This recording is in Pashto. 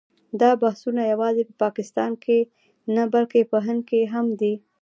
دا بحثونه یوازې په پاکستان کې نه بلکې په هند کې هم دي.